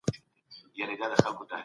ناروغان مه هیروئ او پوښتنه یې وکړئ.